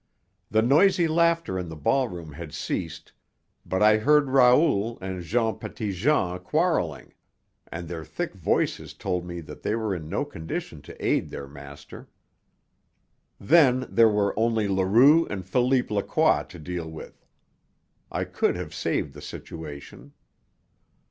The noisy laughter in the ballroom had ceased, but I heard Raoul and Jean Petitjean quarrelling, and their thick voices told me that they were in no condition to aid their master. Then there were only Leroux and Philippe Lacroix to deal with. I could have saved the situation.